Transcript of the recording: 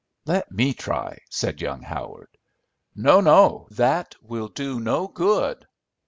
"Let me try," said young Howard. "No, no, that will do no good."